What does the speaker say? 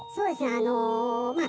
あのまあ